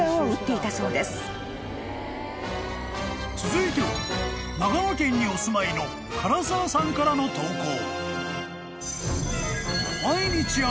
［続いては長野県にお住まいの柄澤さんからの投稿］